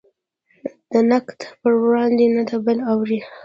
د نقد پر وړاندې نه د بل اوري.